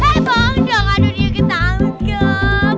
eh bangdang aduh dia ketangguh